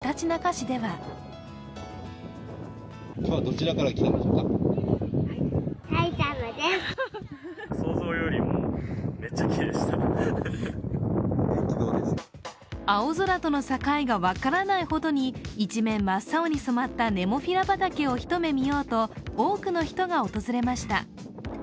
茨城県ひたちなか市では青空との境が分からないほどに一面真っ青に染まったネモフィラ畑を一目見ようと多くの人が訪れました。